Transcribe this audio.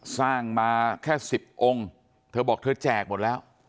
สร้างมาแค่๑๐องค์เธอบอกเธอแจกหมดแล้ว